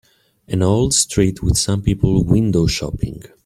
An old street with some people windowshopping.